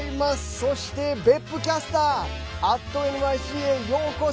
そして、別府キャスター「＠ｎｙｃ」へようこそ！